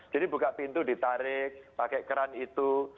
jadi buka pintu ditarik pakai keran itu